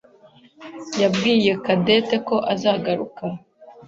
yabwiye Cadette ko azagaruka.